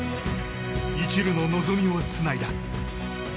一縷の望みをつないだ。